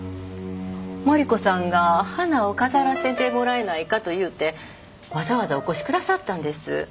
麻里子さんが「花を飾らせてもらえないか」と言うてわざわざお越しくださったんです。